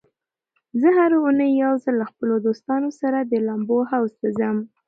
زه هره اونۍ یو ځل له خپلو دوستانو سره د لامبو حوض ته ځم.